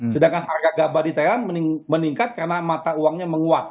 sedangkan harga gabah di thailand meningkat karena mata uangnya menguat